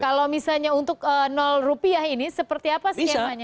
kalau misalnya untuk rupiah ini seperti apa sih yang hanya